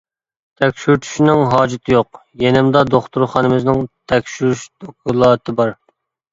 -تەكشۈرتۈشنىڭ ھاجىتى يوق، يېنىمدا دوختۇرخانىمىزنىڭ تەكشۈرۈش دوكلاتى بار.